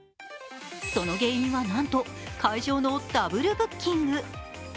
その原因は、なんと、会場のダブルブッキング。